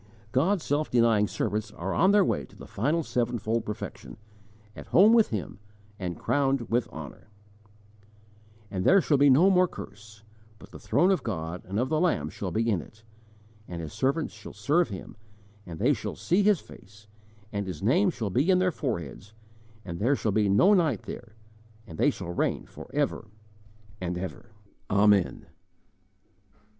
God's self denying servants are on their way to the final sevenfold perfection, at home with Him, and crowned with honour: "And there shall be no more curse; But the throne of God and of the Lamb shall be in it; And His servants shall serve Him; And they shall see His face; And His name shall be in their foreheads, And there shall be no night there, And they shall reign for ever and ever." Amen!